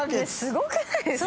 すごくないですか？